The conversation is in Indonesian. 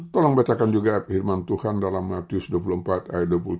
tolong bacakan juga firman tuhan dalam radius dua puluh empat ayat dua puluh tiga